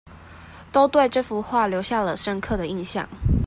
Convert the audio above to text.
都對這幅畫留下了深刻的印象